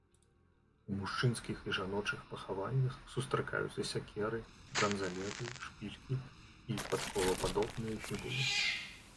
У мужчынскіх і жаночых пахаваннях сустракаюцца сякеры, бранзалеты, шпількі і падковападобныя фібулы.